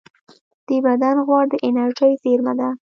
د بدن غوړ د انرژۍ زېرمه ده